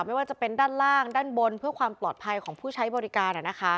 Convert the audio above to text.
ไม่ว่าจะเป็นด้านล่างด้านบนเพื่อความปลอดภัยของผู้ใช้บริการ